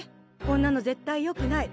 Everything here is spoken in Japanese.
こんなの絶対よくない。